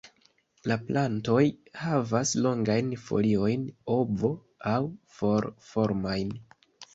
La plantoj havas longajn foliojn ovo- aŭ kor-formajn.